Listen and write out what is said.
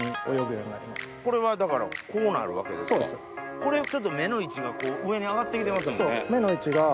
これちょっと目の位置が上に上がって来てますもんね。